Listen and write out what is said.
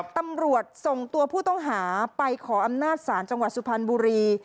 ตำรวจส่งตัวผู้ต้องหาไปขออำนาจศาลจังหวัดสุพรรณบุรี